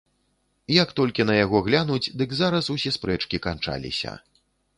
Як толькі на яго глянуць, дык зараз усе спрэчкі канчаліся.